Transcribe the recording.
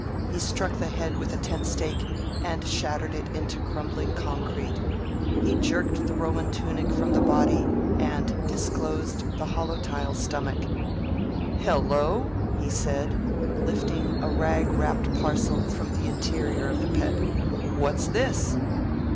He struck the head with a tent stake and shattered it into crumbling concrete. He jerked the Roman tunic from the body and disclosed the hollow tile stomach. "Hello!" he said, lifting a rag wrapped parcel from the interior of the Pet. "What's this?"